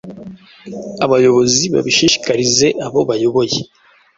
abayobozi babishishikarize abo bayoboye